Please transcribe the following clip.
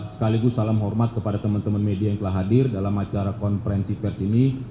sekaligus salam hormat kepada teman teman media yang telah hadir dalam acara konferensi pers ini